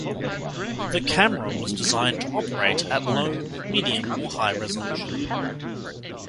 The camera was designed to operate at low, medium, or high resolution.